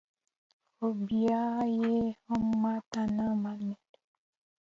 خو بیا یې هم ماته نه ده منلې